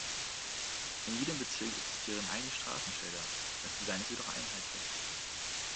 In jedem Bezirk existieren eigene Straßenschilder, das Design ist jedoch einheitlich.